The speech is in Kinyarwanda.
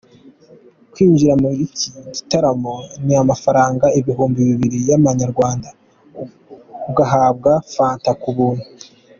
Kwinjira muri iki gitaramo ni amafaranga ibihumbi bibiri y’Amanyarwanda, ugahabwamo Fanta ku buntu.